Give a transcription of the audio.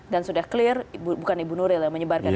dan sudah clear bukan ibu nuril yang menyebarkan itu